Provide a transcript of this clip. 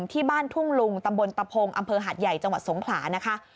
ที่บ้านทุ่งลุงตำบลตะพงอำเภอหาดใหญ่จังหวัดสงขลานะคะ